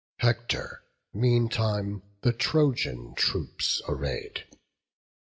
Hector meantime the Trojan troops array'd.